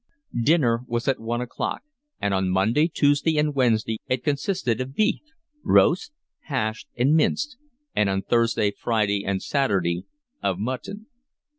Dinner was at one o'clock; and on Monday, Tuesday, and Wednesday it consisted of beef, roast, hashed, and minced, and on Thursday, Friday, and Saturday of mutton.